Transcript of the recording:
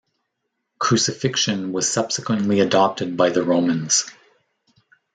Crucifixion was subsequently adopted by the Romans.